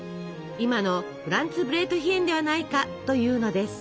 今のフランツブレートヒェンではないかというのです。